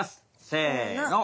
せの。